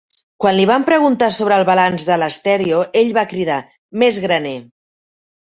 Quan li van preguntar sobre el balanç de l'estèreo, ell va cridar: més graner.